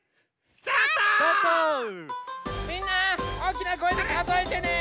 みんなおおきなこえでかぞえてね！